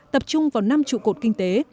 tập trung vào năm trụ cột kinh tế